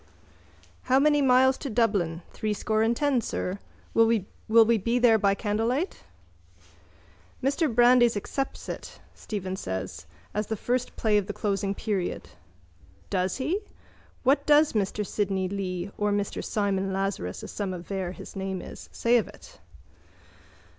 How many miles to Dublin? Three score and ten, sir. Will we be there by candlelight? —Mr Brandes accepts it, Stephen said, as the first play of the closing period. —Does he? What does Mr Sidney Lee, or Mr Simon Lazarus as some aver his name is, say of it?